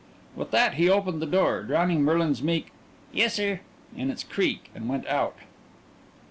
With that he opened the door, drowning Merlin's meek "Yessir" in its creak, and went out.